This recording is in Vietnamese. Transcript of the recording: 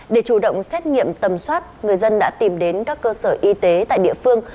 để chủ động xét nghiệm tầm soát người dân đã tìm đến các cơ sở y tế tại địa phương